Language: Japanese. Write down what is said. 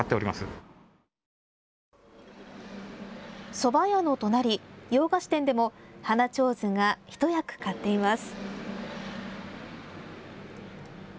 そば屋の隣、洋菓子店でも花ちょうずが一役買っています。